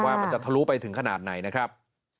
ว่ามันจะทะลุไปถึงขนาดไหนนะครับ